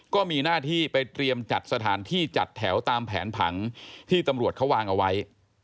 ก็มีหน้าที่ไปเตรียมจัดสถานที่จัดแถวตามแผนผังที่ตำรวจเขาวางเอาไว้